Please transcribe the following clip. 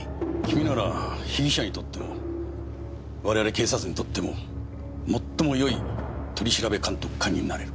君なら被疑者にとっても我々警察にとっても最もよい取調監督官になれる。